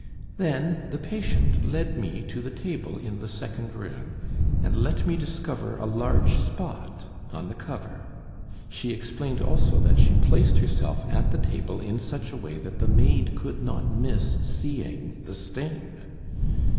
Then the patient led me to the table in the second room and let me discover a large spot on the cover. She explained also that she placed herself at the table in such a way that the maid could not miss seeing the stain.